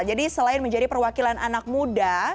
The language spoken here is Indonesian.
jadi selain menjadi perwakilan anak muda